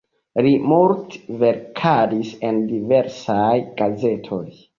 Li multe verkadis en diversaj gazetoj.